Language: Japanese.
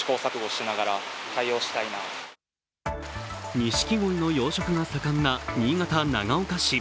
にしきごいの養殖が盛んな新潟・長岡市。